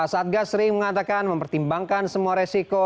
satgas sering mengatakan mempertimbangkan semua resiko